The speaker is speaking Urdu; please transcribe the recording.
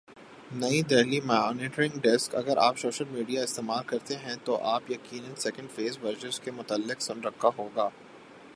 نئی دہلی مانیٹرنگ ڈیسک اگر آپ سوشل میڈیا استعمال کرتے ہیں تو آپ یقینا سیکنڈ فیس ورزش کے متعلق سن رکھا ہو گا